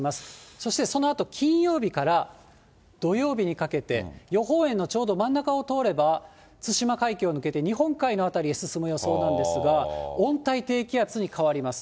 そしてそのあと、金曜日から土曜日にかけて、予報円のちょうど真ん中を通れば、対馬海峡を抜けて、日本海の辺りへ進む予想なんですが、温帯低気圧に変わります。